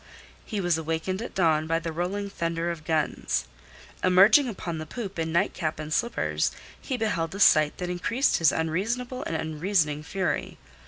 He was awakened at dawn by the rolling thunder of guns. Emerging upon the poop in nightcap and slippers, he beheld a sight that increased his unreasonable and unreasoning fury.